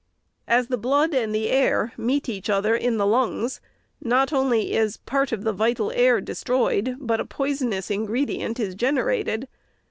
As the blood and the air meet each other in the lungs, not only is a part of the vital air destroyed, but a poison ous ingredient is generated.